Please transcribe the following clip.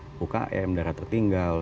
sampai juga dengan negara tertinggal